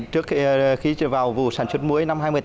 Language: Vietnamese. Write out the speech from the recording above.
trước khi vào vụ sản xuất muối năm hai nghìn một mươi tám